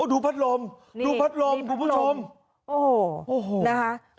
ดูพัดลมดูพัดลมดูผู้ชม